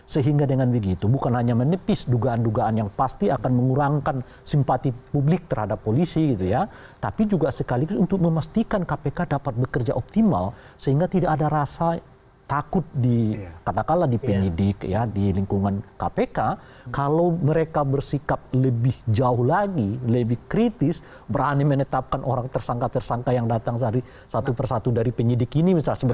sehingga dengan begitu bukan hanya menepis dugaan dugaan yang pasti akan mengurangkan simpati publik terhadap polisi gitu ya tapi juga sekaligus untuk memastikan kpk dapat bekerja optimal sehingga tidak ada rasa takut di katakanlah di penyidik ya di lingkungan kpk kalau mereka bersikap lebih jauh lagi lebih kritis berani menetapkan orang tersangka tersangka yang datang satu persatu dari penyidik ini misalnya sebagai data datanya itu